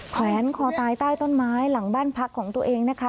แขวนคอตายใต้ต้นไม้หลังบ้านพักของตัวเองนะคะ